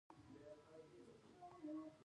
هر کوچنی کاروبار د یوې سترې بریا پیل دی۔